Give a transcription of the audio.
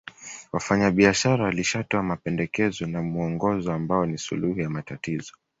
Wafanyabiashara walishatoa mapendekezo na muongozo ambao ni suluhu ya matatizo